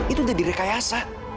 itu udah direkayasa